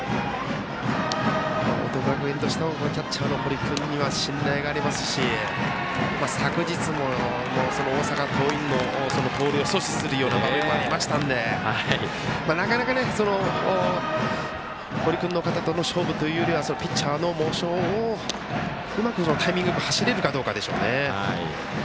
報徳学園としてもキャッチャーの堀君には信頼がありますし昨日の大阪桐蔭の盗塁を阻止するような場面もありましたのでなかなか、堀君の肩との勝負というよりはピッチャーのモーションをうまくタイミングよく走れるかどうかでしょうね。